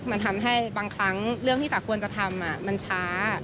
มันทำให้บางครั้งเรื่องที่จ๋าควรจะทำมันช้า